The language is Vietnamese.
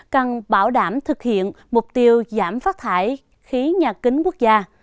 cần bảo đảm thực hiện mục tiêu giảm phát thải khí nhà kính quốc gia